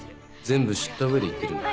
全部知った上で言ってるんだ。